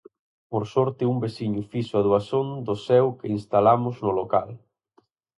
Por sorte un veciño fixo a doazón do seu que instalamos no local.